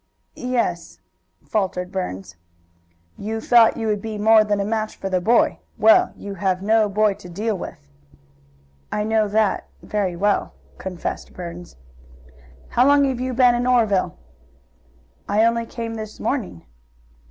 "Ye es," faltered Burns. "You thought you would be more than a match for the boy. Well, you have no boy to deal with." "I know that very well," confessed Burns. "How long have you been in Oreville?" "I only came this morning."